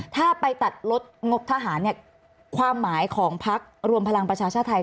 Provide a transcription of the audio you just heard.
ถ้าไปตัดลดงบทหารความหมายของพลักษณ์รวมพลังประชาชาไทย